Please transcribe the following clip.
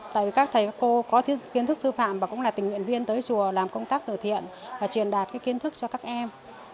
tại vì các thầy các cô có kiến thức sư phạm và cũng là tình nguyện viên tới chùa làm công tác tử thiện và truyền đạt kiến thức cho các em